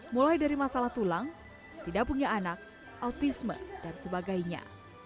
mulai dari masalah tulang tidak punya anak autisme dan sebagainya